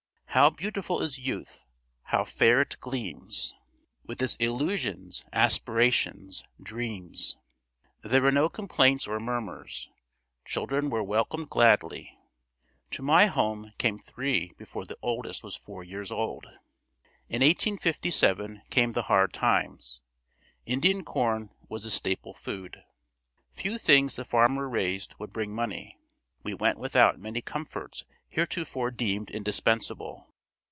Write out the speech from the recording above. "How beautiful is youth, how fair it gleams, with its illusions, aspirations, dreams." There were no complaints or murmurs. Children were welcomed gladly. To my home came three before the oldest was four years old. In 1857 came the hard times. Indian corn was the staple food. Few things the farmer raised would bring money. We went without many comforts heretofore deemed indispensable.